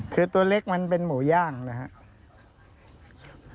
คือตัวเล็กมันเป็นหมูย่างนะครับ